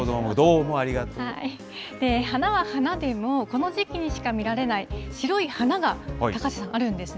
花は花でも、この時期にしか見られない、白い花が高瀬さん、あるんですね。